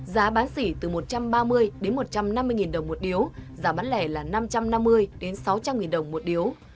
giá bán xỉ từ một trăm ba mươi đến một trăm năm mươi đồng một điếu giá bán lẻ là năm trăm năm mươi sáu trăm linh đồng một điếu